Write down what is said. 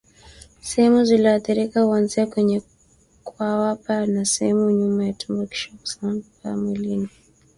Sehemu zilizoathirika huanzia kwenye kwapa na sehemu ya nyuma ya tumbo kisha husambaa mwilini